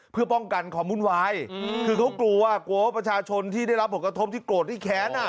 เพื่อป้องกันของบุญวายคือเขากลัวว่ากลัวประชาชนที่ได้รับหกธมที่โกรธที่แขน